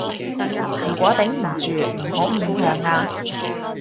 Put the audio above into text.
如果頂唔住，唔好勉強啊